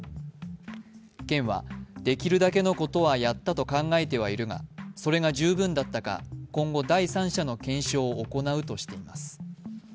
県は、できるだけのことはやったと考えてはいるがそれが十分だったか今後、第三者の検証を行うとしています。